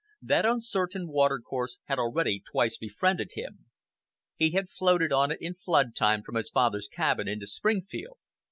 That uncertain watercourse had already twice befriended him. He had floated on it in flood time from his father's cabin into Springfield.